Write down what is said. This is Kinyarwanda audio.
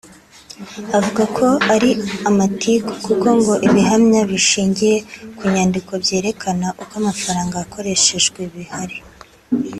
avuga ko ari amatiku kuko ngo ibihamya bishingiye ku nyandiko byerekana uko amafaranga yakoreshejwe bihari